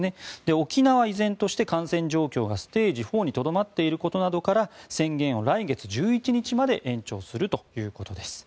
沖縄は依然として感染状況がステージ４にとどまっていることなどから宣言を来月１１日まで延長するということです。